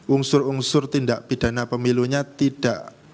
unsur unsur tindak pidana pemilunya tidak